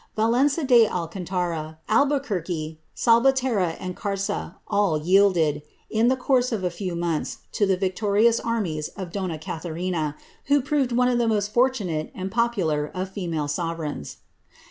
Valem^di Alcantara, Albuquerque, Salvaterra, and Carga, all yielded, in the comN of a few months, to the victorious armies of donna Catharina, wbt proved one of the most fortunate and popular of female sovereigns.'